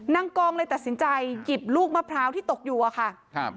นางกองเลยตัดสินใจหยิบลูกมะพร้าวที่ตกอยู่อะค่ะครับ